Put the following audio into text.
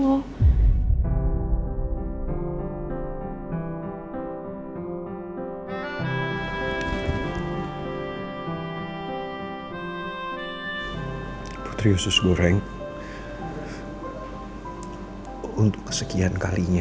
tapi tetep aja dia ngacangin gue